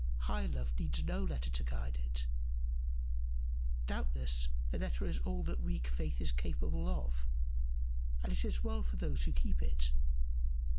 High love needs no letter to guide it. Doubtless the letter is all that weak faith is capable of, and it is well for those who keep it!